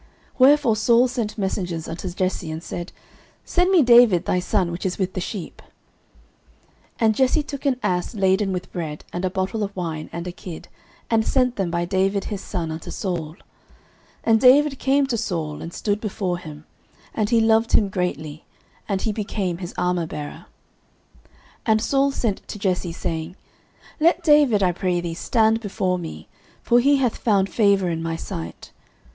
09:016:019 Wherefore Saul sent messengers unto Jesse, and said, Send me David thy son, which is with the sheep. 09:016:020 And Jesse took an ass laden with bread, and a bottle of wine, and a kid, and sent them by David his son unto Saul. 09:016:021 And David came to Saul, and stood before him: and he loved him greatly; and he became his armourbearer. 09:016:022 And Saul sent to Jesse, saying, Let David, I pray thee, stand before me; for he hath found favour in my sight.